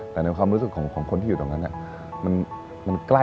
แต่ในความรู้สึกของคนที่อยู่ตรงนั้น